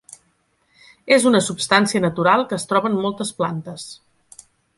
És una substància natural que es troba en moltes plantes.